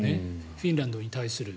フィンランドに対する。